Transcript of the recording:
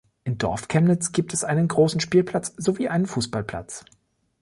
In Dorfchemnitz gibt es einen großen Spielplatz sowie einen Fußballplatz.